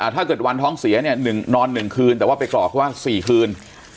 ถ้าเกิดวันท้องเสียเนี่ยนอน๑คืนแต่ว่าไปกรอกว่า๔คืน